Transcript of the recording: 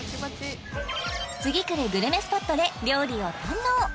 次くるグルメスポットで料理を堪能！